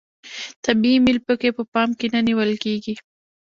طبیعي میل پکې په پام کې نه نیول کیږي.